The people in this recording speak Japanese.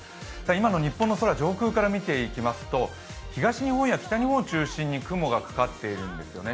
今の日本の空、上空から見ていきますと東日本や北日本中心に雲がかかっているんですよね。